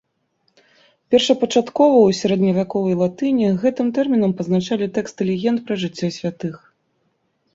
Першапачаткова ў сярэдневяковай латыні гэтым тэрмінам пазначалі тэксты легенд пра жыццё святых.